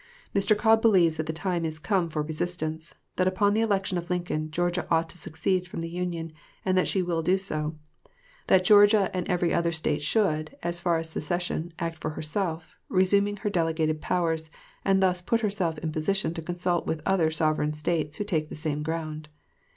Mr. Cobb believes that the time is come for resistance; that upon the election of Lincoln, Georgia ought to secede from the Union, and that she will do so; that Georgia and every other State should, as far as secession, act for herself, resuming her delegated powers, and thus put herself in position to consult with other sovereign States who take the same ground.